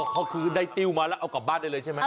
ก็คือได้ติ้วมาแล้วเอากลับบ้านได้เลยใช่ไหม